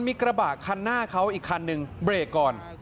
มีกระบะคันหน้าเขาอีกคันหนึ่งเบรกก่อน